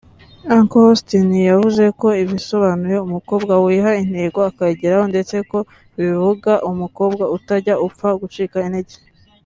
Uncle Austin yavuze ko bisobanuye ‘umukobwa wiha intego akayigeraho’ ndetse ko bivuga ‘umukobwa utajya upfa gucika intege’